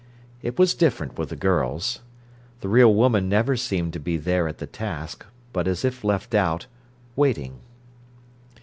It was different with the girls. The real woman never seemed to be there at the task, but as if left out, waiting.